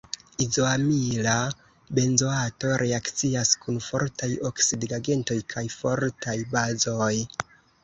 Izoamila benzoato reakcias kun fortaj oksidigagentoj kaj fortaj bazoj.